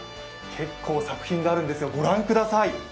結構作品があるんですよ、御覧ください。